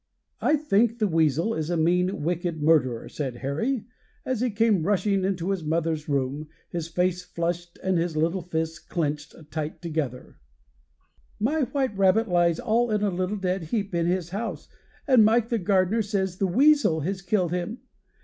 "I think the weasel is a mean, wicked murderer," said Harry, as he came rushing into his mother's room, his face flushed and his little fists clinched tight together: "My white rabbit lies all in a little dead heap in his house, and Mike, the gardener, says the weasel has killed him.